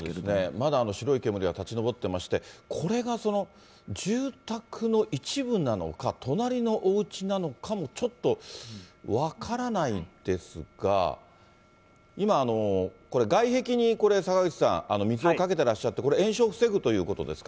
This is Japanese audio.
まだ白い煙が立ち上ってまして、これが住宅の一部なのか、隣のおうちなのかも、ちょっと分からないですが、今、外壁に坂口さん、水をかけてらっしゃって、これ、延焼を防ぐということですか？